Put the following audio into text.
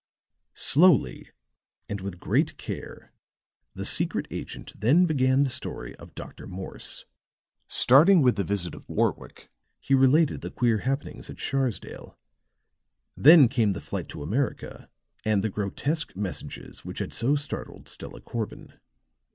Slowly and with great care, the secret agent then began the story of Dr. Morse. Starting with the visit of Warwick, he related the queer happenings at Sharsdale; then came the flight to America and the grotesque messages which had so startled Stella Corbin.